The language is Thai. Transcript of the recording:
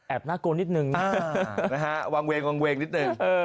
น่ากลัวนิดนึงนะฮะวางเวงวางเวงนิดนึง